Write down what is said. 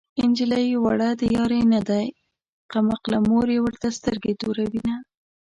نجلۍ وړه د يارۍ نه ده کم عقله مور يې ورته سترګې توروينه